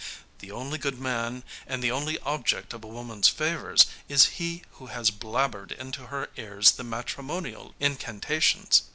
The only good man and the only object of a woman's favours is he who has blabbered into her ears the matrimonial incantations.